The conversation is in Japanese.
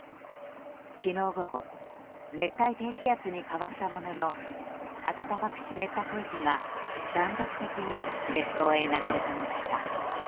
昨日午後熱帯低気圧に変わったものの暖かく湿った空気が断続的に列島へ流れ込みました。